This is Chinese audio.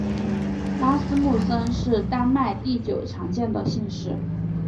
拉斯穆森是丹麦第九常见的姓氏。